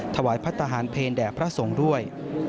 ถวายพระทหารเพลแด่พระสงฆ์ด้วย